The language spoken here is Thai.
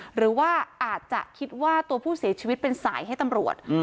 หรือว่าอาจจะคิดว่าตัวผู้เสียชีวิตเป็นสายให้ตำรวจ